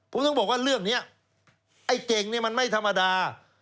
ผมถึงบอกว่าเรื่องนี้ไอ้เก่งเนี่ยมันไม่ธรรมดา